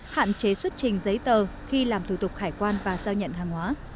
hạn chế xuất trình giấy tờ khi làm thủ tục hải quan và giao nhận hàng hóa